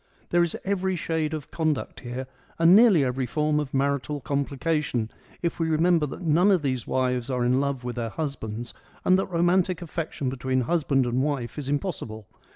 There is every shade of conduct here and nearly every form of marital complication, if we remember that none of these wives are in love with their husbands and that romantic affection between husband and wife is impossible.